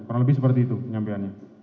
kurang lebih seperti itu penyampaiannya